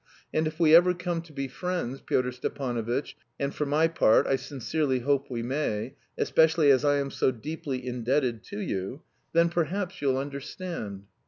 And if we ever come to be friends, Pyotr Stepanovitch, and, for my part, I sincerely hope we may, especially as I am so deeply indebted to you, then, perhaps you'll understand...."